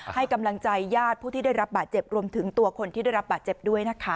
ให้กำลังใจญาติผู้ที่ได้รับบาดเจ็บรวมถึงตัวคนที่ได้รับบาดเจ็บด้วยนะคะ